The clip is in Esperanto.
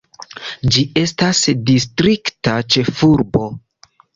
Ĝi estas distrikta ĉefurbo.